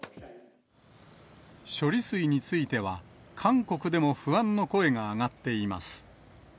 処理水については、韓国でも不安の声が上がっています。